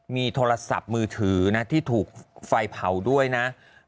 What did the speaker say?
มีโทรศัพท์มือถือนะที่ถูกไฟเผาด้วยนะ